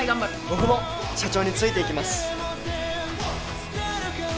僕も社長についていきます。